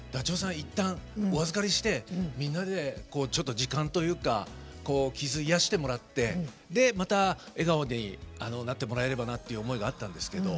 いったん、お預かりしてみんなで、ちょっと時間というか傷を癒やしてもらってで、また笑顔になってもらえればなという思いがあったんですけど。